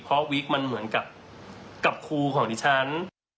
เพราะวิกมันเหมือนกับครูของดิฉัน